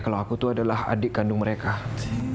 kalau aku itu ada luar biasa aku akan berhenti